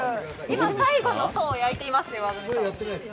今、最後の方を焼いていますよ。